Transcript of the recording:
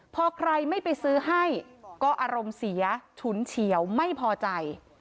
พอใครไม่ไปซื้อให้ก็อารมณ์เสียฉุนเฉียวไม่พอใจ